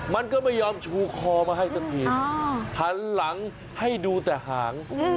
มันก็ไม่ยอมชูคอมาให้สักทีหันหลังให้ดูแต่หาง